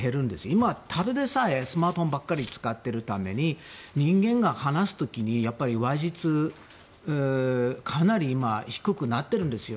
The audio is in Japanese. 今はただでさえスマートフォンばかり使っているために人間が話す時に話術かなり今、低くなってるんですよ